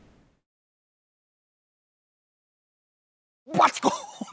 「バチコン！」